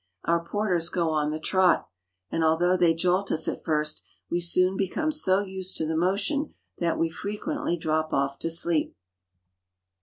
Our porters go on he trot, and although they jolt us at first, we soon become 0. used to the motion that we frequently drop off tc leep.